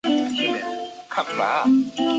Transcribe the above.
并且药材专利可能伤害大众用药权利。